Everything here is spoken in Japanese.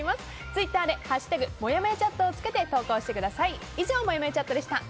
ツイッターで「＃もやもやチャット」をつけて投稿してください。